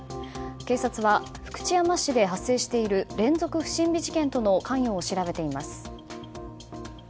警察は、福知山市で発生している連続不審火事件との関与を調べています。